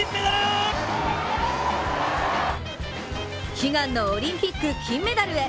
悲願のオリンピック金メダルへ。